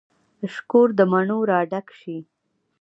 شکور د مڼو را ډک شي